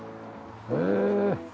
へえ。